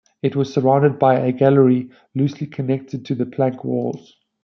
It was surrounded by a gallery loosely connected to the plank walls.